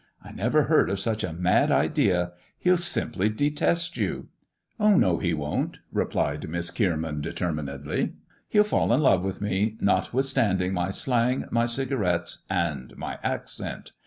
" I never heard of such a mad idea. He'll simply detest you." Oh, no, he won't," replied Miss Kierman, determinedly. " He'll fall in love with me, notwithstanding my slang, my cigarettes, and my accent.